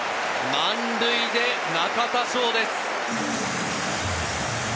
満塁で中田翔です。